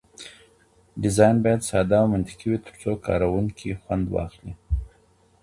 ډیزاین باید ساده او منطقي وي ترڅو کاروونکي خوند واخلي.